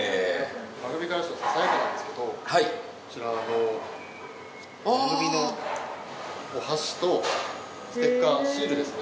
番組からささやかなんですけどこちらの番組のお箸とステッカーシールですね。